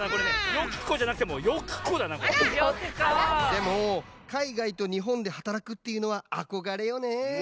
でもかいがいとにほんではたらくっていうのはあこがれよね。